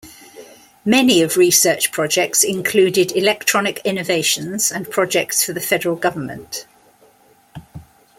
Many of research projects included electronic innovations and projects for the federal government.